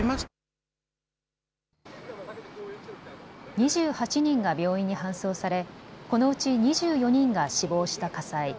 ２８人が病院に搬送されこのうち２４人が死亡した火災。